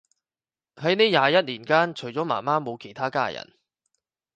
喺呢廿一年間，除咗媽媽冇其他家人